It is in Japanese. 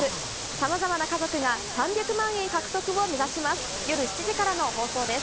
さまざまな家族が３００万円獲得を目指します。